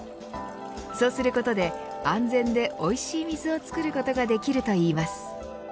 そうすることで安全でおいしい水を作ることができるといいます。